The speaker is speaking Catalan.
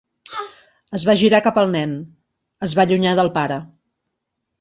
Es va girar cap al nen; es va allunyar del pare.